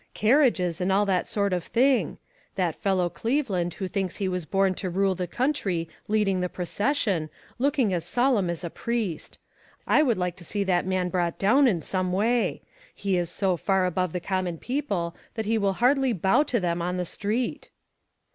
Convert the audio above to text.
Carriages and all that sort of thing. That fellow Cleve land who thinks he was born to rule the country leading the procession, looking as solemn as a priest. I would like to see that man brought do^n in some way. He is so far above common people that he will hardly bow to them on the street."